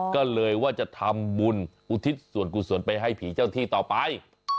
ก็เลยว่าจะทำบุญอุทิศส่วนกุศลไปให้ผีเจ้าที่ต่อไป